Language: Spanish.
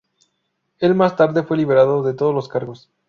Él más tarde fue liberado de todos los cargos.